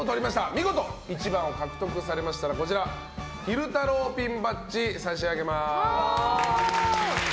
見事一番を獲得されましたら昼太郎ピンバッジ差し上げます。